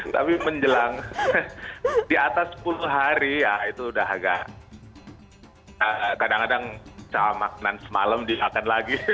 tapi menjelang di atas sepuluh hari ya itu udah agak kadang kadang sama makanan semalam diakan lagi